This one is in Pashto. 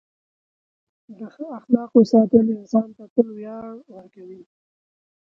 د ښه اخلاقو ساتل انسان ته تل ویاړ ورکوي.